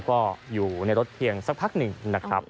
ก็อยู่ในรถเพียงสักพักหนึ่งนะครับ